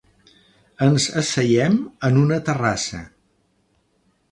Ens asseiem en una terrassa.